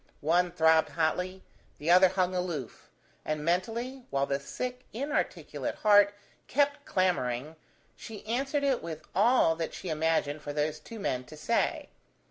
One throbbed hotly, the other hung aloof, and mentally, while the sick inarticulate heart kept clamouring, she answered it with all that she imagined for those two men to say.